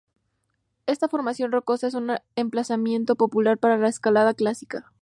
Esta formación rocosa es un emplazamiento popular para la escalada clásica.